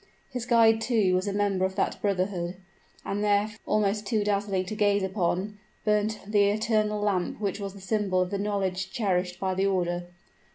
His guide, too, was a member of that brotherhood and there, almost too dazzling to gaze upon, burnt the eternal lamp which was the symbol of the knowledge cherished by the order!